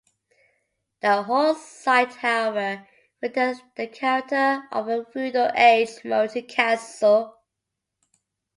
The whole site however retains the character of a feudal age moated castle.